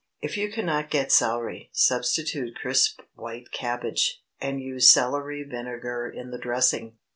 If you cannot get celery, substitute crisp white cabbage, and use celery vinegar in the dressing.